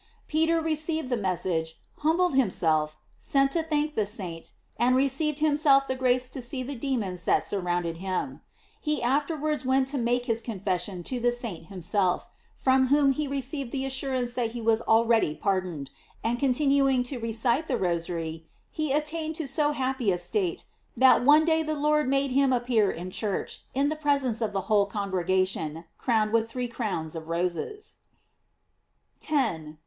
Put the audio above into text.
Peter received the message, humbled him self, sent to thank the saint, and received him self the grace to see the demons that surround ed him. He afterwards went to make his con fession to the saint himself, from whom he re ceived the assurance that he was already pardon ed, and continuing to recite the Rosary, he attained to so happy a state that one day the Lord made him appear in church, in the presence of the whole congregation crowned with three crowns of roses, f 10.